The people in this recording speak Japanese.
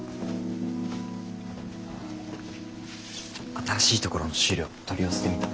新しいところの資料取り寄せてみた。